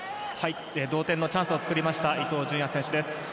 同点のチャンスを作った伊東純也選手です。